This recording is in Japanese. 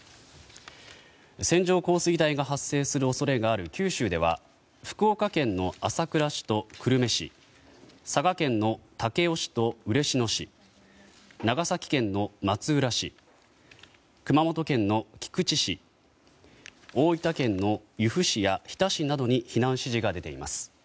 線状降水帯が発生する恐れがある九州では福岡県の朝倉市と久留米市佐賀県の武雄市と嬉野市長崎県の松浦市熊本県の菊池市大分県の由布市や日田市などに避難指示が出ています。